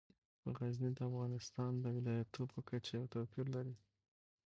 غزني د افغانستان د ولایاتو په کچه یو توپیر لري.